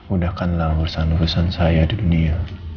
udahkanlah urusan urusan saya di dunia